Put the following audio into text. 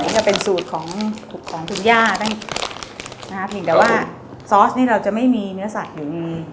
อันนี้ก็เป็นสูตรของคุณย่านะครับแต่ว่าซอสนี่เราจะไม่มีเนื้อสัตว์อยู่อย่างงี้